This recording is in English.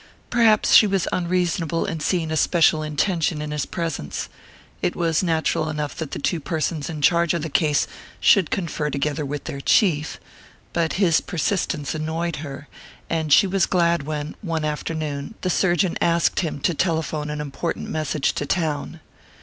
Perhaps she was unreasonable in seeing a special intention in his presence: it was natural enough that the two persons in charge of the case should confer together with their chief. But his persistence annoyed her, and she was glad when, one afternoon, the surgeon asked him to telephone an important message to town.